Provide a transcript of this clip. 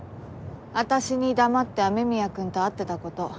私に黙って雨宮くんと会ってた事。